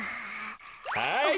はい。